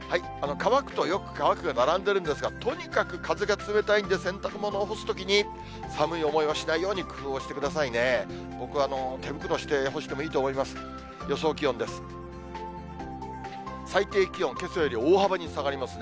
乾くとよく乾くが並んでるんですが、とにかく風が冷たいんで、洗濯物を干すときに寒い思いはしないように工夫をしてくださいね。